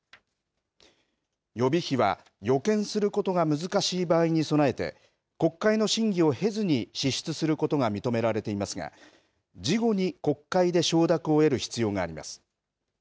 予備費は予見することが難しい場合に備えて国会の審議を経ずに支出することが認められていますが事後に、国会で承諾を得る必要があります。